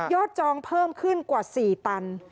จองเพิ่มขึ้นกว่า๔ตัน